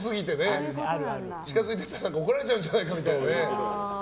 近づいてったら怒られちゃうんじゃないかみたいなね。